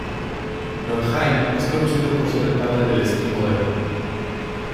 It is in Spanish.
Nordheim es conocido por ser el padre del esquí moderno.